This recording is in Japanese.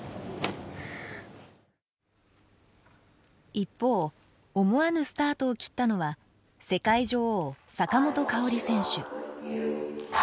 一方思わぬスタートを切ったのは世界女王坂本花織選手。